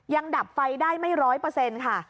ดับไฟได้ไม่ร้อยเปอร์เซ็นต์ค่ะ